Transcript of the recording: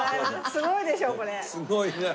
すごいな。